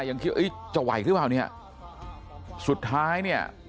ยังคิดเอ้ยจะไหวหรือเปล่าเนี่ยสุดท้ายเนี่ย